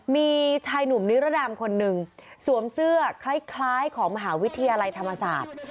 มีชายหนุ่มนิรดามคนหนึ่งสวมเสื้อคล้ายของมหาวิทยาลัยธรรมศาสตร์